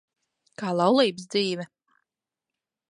Kā laulības dzīve?